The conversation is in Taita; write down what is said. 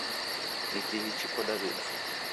Ni kihi chiko Daw'ida?